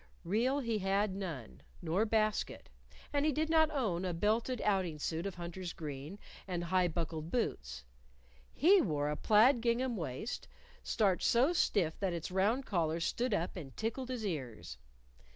Reel he had none, nor basket; and he did not own a belted outing suit of hunter's green, and high buckled boots. He wore a plaid gingham waist, starched so stiff that its round collar stood up and tickled his ears.